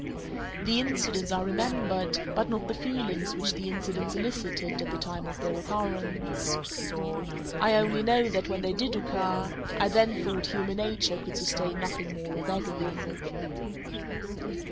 The incidents are remembered, but not the feelings which the incidents elicited at the time of their occurrence. I only know, that when they did occur, I then thought human nature could sustain nothing more of agony.